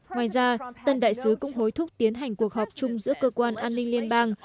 ngoài ra tân đại sứ cũng hối thúc tiến hành cuộc họp chung giữa cơ quan an ninh liên bang